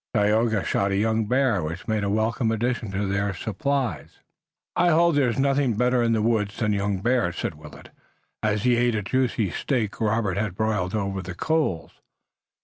Tayoga shot a young bear which made a welcome addition to their supplies. "I hold that there's nothing better in the woods than young bear," said Willet, as he ate a juicy steak Robert had broiled over the coals.